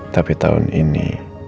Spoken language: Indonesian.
tapi tahun ini